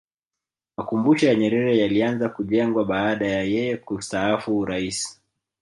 makumbusho ya nyerere yalianza kujengwa baada ya yeye kustaafu urais